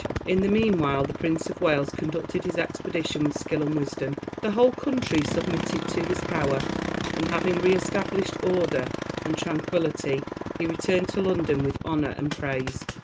In the meanwhile the Prince of Wales conducted his expedition with skill and wisdom; the whole country submitted to his power; and having re established order and tranquillity, he returned to London with honor and praise.